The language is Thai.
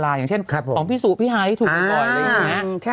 อย่างเช่นครับผมของพี่สูบพี่ฮะที่ถูกก่อนเลยนะคะ